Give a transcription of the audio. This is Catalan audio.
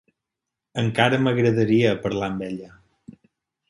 Encara m'agradaria parlar amb ella.